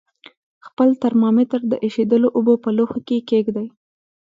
خپل ترمامتر د ایشېدلو اوبو په لوښي کې کیږدئ.